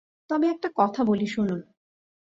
তবে একটা কথা বলি শুনুন।